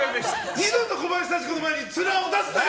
二度と小林幸子の前に面を出すなよ！